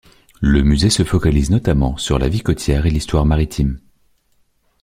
Le musée se focalise notamment sur la vie côtière et l'histoire maritime.